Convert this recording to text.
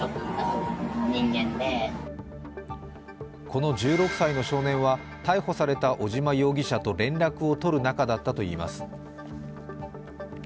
この１６歳の少年は逮捕された尾島容疑者と連絡を取る仲だったといいます。